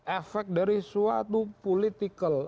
efek dari suatu politikal